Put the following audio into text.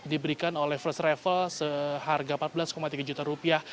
diberikan oleh first travel seharga empat belas tiga juta rupiah